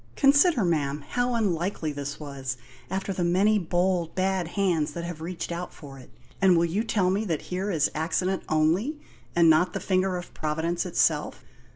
Consider, ma'am, how unlikely this was, after the many bold, bad hands that have reached out for it. And will you tell me that here is accident only, and not the finger of Providence itself?